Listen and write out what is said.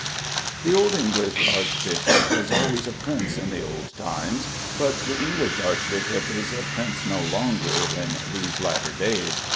The old English archbishop was always a prince in the old times, but the English archbishop is a prince no longer in these latter days.